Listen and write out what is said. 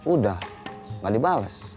udah gak dibalas